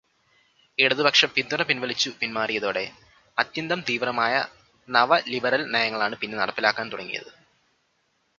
ഇടതുപക്ഷം പിന്തുണ പിൻവലിച്ചു പിന്മാറിയതോടെ അത്യന്തം തീവ്രമായ നവ-ലിബെറൽ നയങ്ങളാണ് പിന്നെ നടപ്പിലാക്കാൻ തുടങ്ങിയത്.